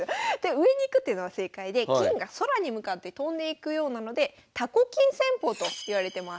上に行くっていうのは正解で金が空に向かって飛んでいくようなのでといわれてます。